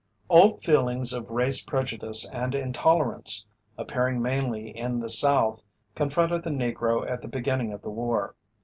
Old feelings of race prejudice and intolerance, appearing mainly in the South, confronted the Negro at the beginning of the war.